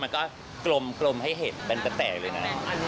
มันก็กลมให้เห็นเป็นแปลกเลยนะ